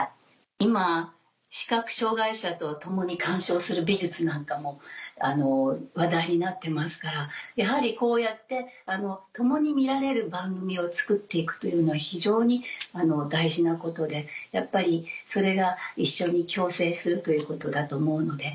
今視覚障がい者と共に鑑賞する美術なんかも話題になってますからやはりこうやって共に見られる番組を作って行くというのは非常に大事なことでやっぱりそれが一緒に共生するということだと思うので。